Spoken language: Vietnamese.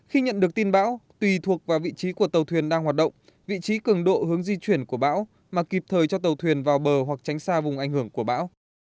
khi nhận được tin bão tùy thuộc vào vị trí của tàu thuyền đang hoạt động vị trí cường độ hướng di chuyển của bão mà kịp thời cho tàu thuyền vào bờ hoặc tránh xa vùng ảnh hưởng của bão